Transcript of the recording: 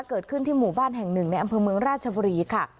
เกิดขึ้นที่หมู่บ้านแห่งหนึ่งในอำเภอเมืองราชบุรีค่ะ